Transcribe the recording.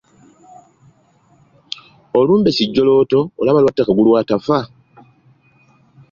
Olumbe kijjolooto olaba lwatta Kagulu atafa!